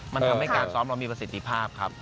มันทำให้การซ้อมเรามีประสิทธิภาพครับ